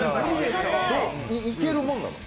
どう、いけるもんなの？